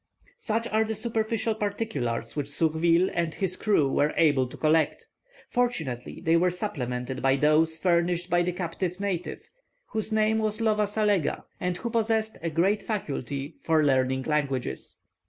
Such are the superficial particulars which Surville and his crew were able to collect. Fortunately, they were supplemented by those furnished by the captive native, whose name was Lova Salega, and who possessed a great faculty for learning languages.